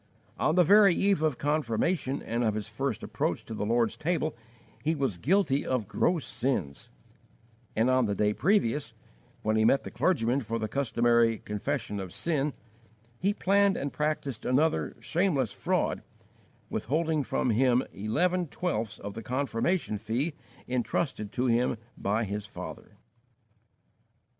On the very eve of confirmation and of his first approach to the Lord's Table he was guilty of gross sins; and on the day previous, when he met the clergyman for the customary "confession of sin," he planned and practised another shameless fraud, withholding from him eleven twelfths of the confirmation fee entrusted to him by his father!